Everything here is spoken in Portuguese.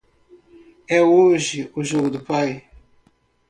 É hoje o jogo pai?